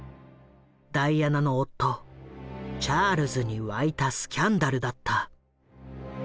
ダイアナの夫チャールズに湧いたスキャンダルだった。